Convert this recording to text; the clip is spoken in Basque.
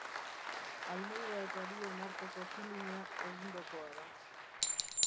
Almeida eta bion arteko feelinga egundokoa da.